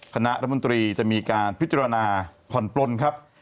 คณะรัฐมนตรีจะมีการพิจารณาผ่อนปลนครับ